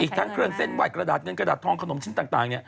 ทั้งเครื่องเส้นไหว้กระดาษเงินกระดาษทองขนมชิ้นต่าง